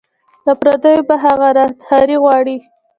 له پردیو به هغه راهداري غواړي